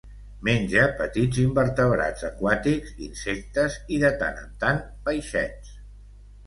Menja petits invertebrats aquàtics, insectes i, de tant en tant, peixets.